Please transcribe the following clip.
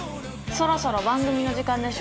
そろそろ番組の時間でしょ？